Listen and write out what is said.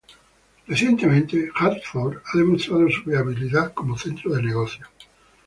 Recientemente, Hartford ha demostrado su viabilidad como centro de negocios.